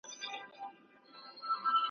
دا یې ګز دا یې میدان `